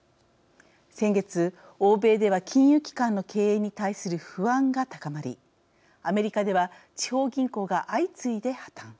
先月、欧米では金融機関の経営に対する不安が高まり、アメリカでは地方銀行が相次いで破綻。